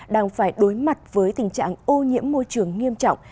đang phải đối mặt với tình trạng ô nhiễm môi trường nghiêm trọng